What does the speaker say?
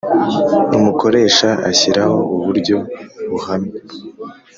Umukoresha ashyiraho uburyo buhamye